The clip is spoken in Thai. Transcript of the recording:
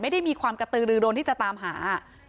ไม่ได้มีความกระตือรือโดนที่จะตามหา